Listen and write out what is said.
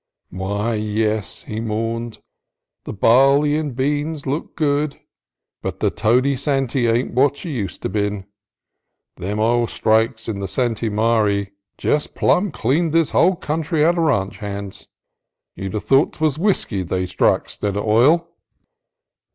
"Why, yes," he mourned, "the barley and beans looks good, but the Tody Santy ain't what she useter bin. Them oil strikes in the Santy Maree jest plumb cleaned this hull country out o' ranch hands. You 'd 'a' thought 't was whiskey they'd struck, 'stead of oil."